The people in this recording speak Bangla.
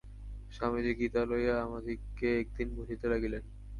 স্বামীজী গীতা লইয়া আমাদিগকে একদিন বুঝাইতে লাগিলেন।